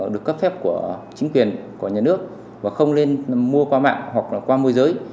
được cấp phép của chính quyền của nhà nước và không nên mua qua mạng hoặc qua môi giới